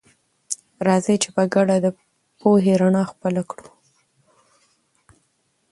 راځئ چې په ګډه د پوهې رڼا خپله کړه.